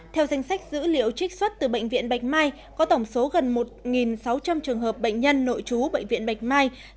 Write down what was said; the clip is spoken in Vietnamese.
theo danh sách dữ liệu trích xuất từ bệnh viện bạch mai có tổng số gần một sáu trăm linh trường hợp bệnh nhân nội trú bệnh viện bạch mai